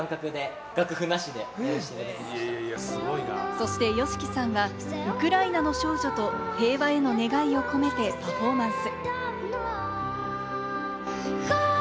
そしてＹＯＳＨＩＫＩさんはウクライナの少女と平和への願いを込めてパフォーマンス。